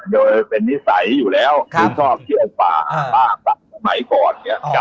โดยเป็นนิสัยอยู่แล้วคือชอบเที่ยวป่ามากกว่าสมัยก่อนเนี่ย